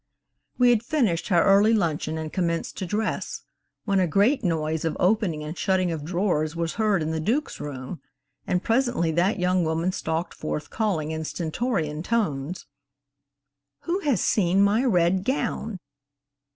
We had finished our early luncheon and commenced to dress, when a great noise of opening and shutting of drawers was heard in the Duke's room, and presently that young woman stalked forth calling in stentorian tones, "Who has seen my red gown?"